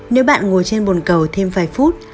nếu bạn ngồi trên bồn cầu thêm vài phút